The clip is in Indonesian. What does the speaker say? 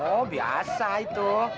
oh biasa itu